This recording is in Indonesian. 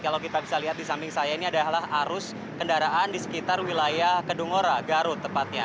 kalau kita bisa lihat di samping saya ini adalah arus kendaraan di sekitar wilayah kedungora garut tepatnya